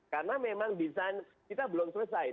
karena memang desain kita belum selesai